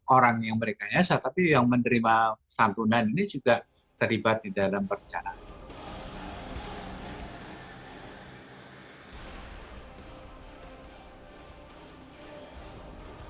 orang yang mereka nyasar tapi yang menerima santunan ini juga terlibat di dalam perencanaan